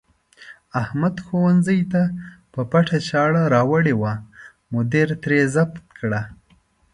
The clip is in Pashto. احمد ښوونځي ته په پټه چاړه راوړې وه، مدیر ترې ضبط کړه.